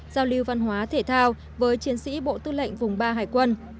giao lưu văn hóa thể thao với chiến sĩ bộ tư lệnh vùng ba hải quân